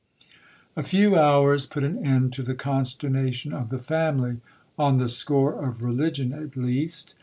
'A few hours put an end to the consternation of the family, on the score of religion at least.